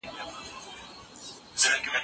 که په دقيق ډول د رسول الله مبارک احاديث وګورو.